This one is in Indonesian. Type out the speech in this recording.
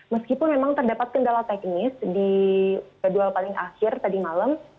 meskipun memang terdapat kendala teknis di jadwal paling akhir tadi malam